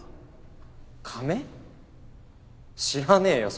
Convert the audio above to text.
知らねよ